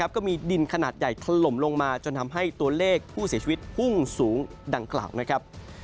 ก็มีดินขนาดใหญ่ถล่มลงมาจนทำให้ตัวเลขผู้เสียชีวิตพุ่งสูงดังกล่าวนะครับ